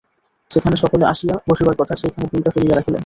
যেখানে সকলে আসিয়া বসিবার কথা, সেইখানে বইটা ফেলিয়া রাখিলেন।